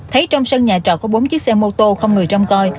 thấy trong sân nhà trọ có bốn chiếc xe mô tô không người trông coi